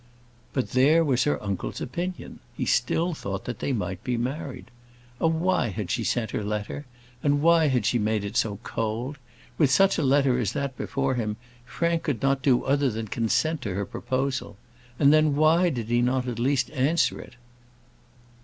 But there was her uncle's opinion: he still thought that they might be married. Oh, why had she sent her letter? and why had she made it so cold? With such a letter as that before him, Frank could not do other than consent to her proposal. And then, why did he not at least answer it?